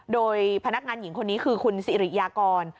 โดยพนักงานหญิงคนนี้คือคุณสิริยากร